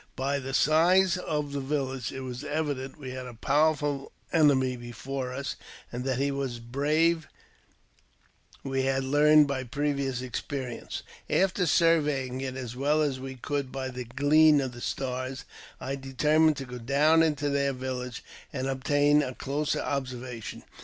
By th«dl size of the village, it was evident we had a powerful enemy be ! fore us, and that he was brave we had learned by previous experience. After surveying it as well as we could by the gleam of the stars, I determined to go down into their village,, and obtain a closer observation.